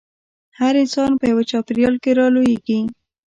هر انسان په يوه چاپېريال کې رالويېږي.